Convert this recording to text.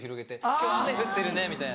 「今日雨降ってるね」みたいな。